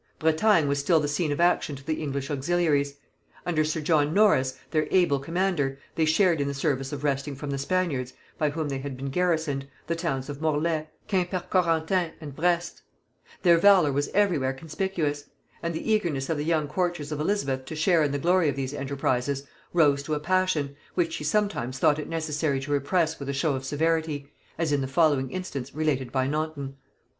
Bretagne was still the scene of action to the English auxiliaries. Under sir John Norris, their able commander, they shared in the service of wresting from the Spaniards, by whom they had been garrisoned, the towns of Morlaix, Quimpercorentin and Brest; their valor was every where conspicuous; and the eagerness of the young courtiers of Elizabeth to share in the glory of these enterprises rose to a passion, which she sometimes thought it necessary to repress with a show of severity; as in the following instance related by Naunton.